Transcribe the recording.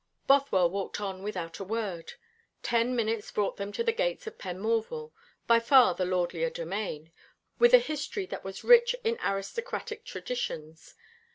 Bothwell walked on without a word. Ten minutes brought them to the gates of Penmorval, by far the lordlier domain, with a history that was rich in aristocratic traditions.